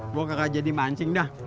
gue gak jadi mancing dah